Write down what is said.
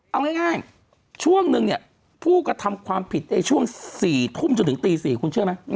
เอาง่ายช่วงนึงเนี่ยผู้กระทำความผิดในช่วง๔ทุ่มจนถึงตี๔คุณเชื่อไหม